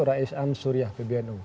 rais am suryah pbnu